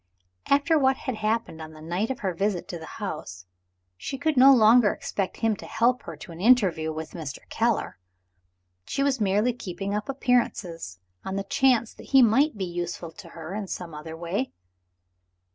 After what had happened on the night of her visit to the house, she could no longer expect him to help her to an interview with Mr. Keller. Was she merely keeping up appearances, on the chance that he might yet be useful to her, in some other way?